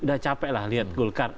udah capek lah lihat golkar